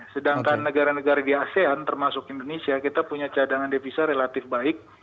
sedangkan negara negara di asean termasuk indonesia kita punya cadangan devisa relatif baik